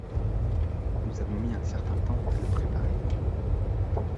Nous avons mis un certain temps à le préparer.